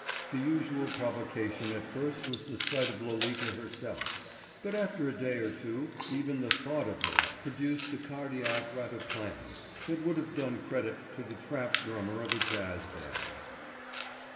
The usual provocation at first was the sight of Lolita herself, but after a day or two even the thought of her produced a cardiac ratiplan that would have done credit to the trap drummer of a jazz band.